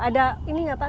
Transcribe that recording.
ada ini nggak pak